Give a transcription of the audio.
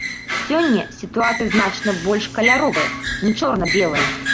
Сёння сітуацыя значна больш каляровая, не чорна-белая.